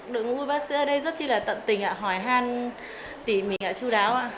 đội ngũ y bác sĩ ở đây rất là tận tình hỏi hàn tỉ mỉ chú đáo